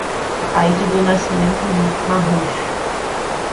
Ataide do Nascimento Marruch